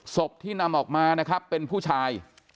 ศพที่นำออกมานะครับเป็นผู้ชาย